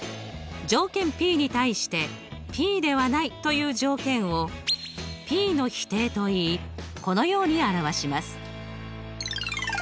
条件ｐに対してｐではないという条件をｐの否定といいこのように表します。